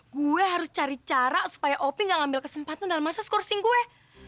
gue harus cari cara supaya opi gak ngambil kesempatan dalam masa scourcing gue